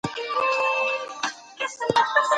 ښوونکی زدهکوونکي د یووالي او احترام ارزښت ته هڅوي.